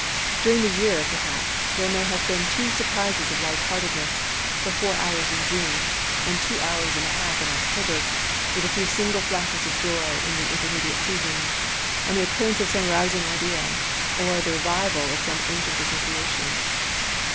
During the year, perhaps, there may have been two surprises of light heartedness, for four hoiirs iti June, and two hours and a half in October, with a few single flashes of joy in the intermediate seasons, on the occurrence of some rousing idea, or the revival of some ancient association.